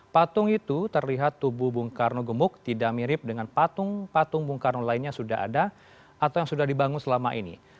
patung itu terlihat tubuh bung karno gemuk tidak mirip dengan patung patung bung karno lainnya sudah ada atau yang sudah dibangun selama ini